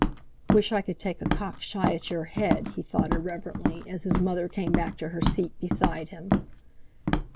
"Wish I could take a cock shy at your head!" he thought irreverently, as his mother came back to her seat beside him.